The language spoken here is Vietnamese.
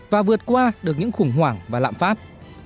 và vượt qua được những khủng hoảng và lạm phát